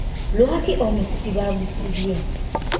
Lwaki omusipi baagusibye?